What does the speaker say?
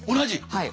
はい。